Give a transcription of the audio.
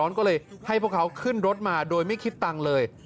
เพราะพวกเขาเดือดร้อนก็เลยให้พวกเขาขึ้นรถมาโดยไม่คิดตังเลย